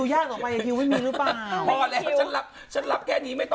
เยอะกว่านี้ก็ไม่ต้องมีเวลานอนแล้วนะคุณแม่